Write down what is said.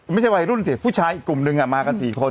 ไม่ใช่วัยรุ่นสิผู้ชายอีกกลุ่มนึงมากัน๔คน